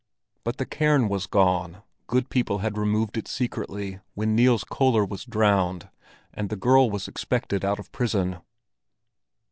But the cairn was gone; good people had removed it secretly when Niels Köller was drowned and the girl was expected out of prison.